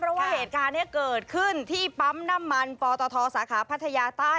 เพราะว่าเหตุการณ์นี้เกิดขึ้นที่ปั๊มน้ำมันปตทสาขาพัทยาใต้